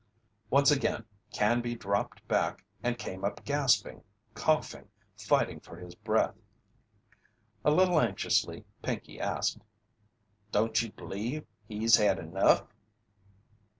Once again Canby dropped back and came up gasping, coughing, fighting for his breath. A little anxiously Pinkey asked: "Don't you bleeve he's had enough?"